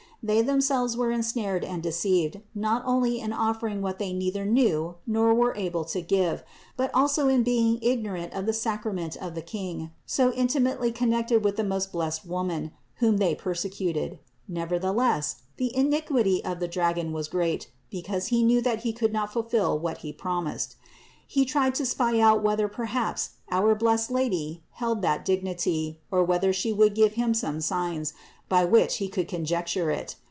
They themselves were ensnared and deceived, not only in offer ing what they neither knew nor were able to give, but also in being ignorant of the sacrament of the King so in timately connected with the most blessed Woman, whom they persecuted. Nevertheless the iniquity of the dragon was great, because he knew that he could not fulfill what he promised. He tried to spy out whether perhaps our blessed Lady held that dignity, or whether She would give him some signs, by which he could conjecture it.